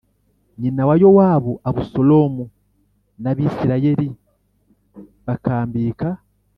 nyina wa Yowabu Abusalomu n Abisirayeli bakambika